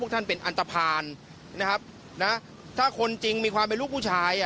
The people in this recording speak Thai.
ท่านเป็นอันตภัณฑ์นะครับนะถ้าคนจริงมีความเป็นลูกผู้ชาย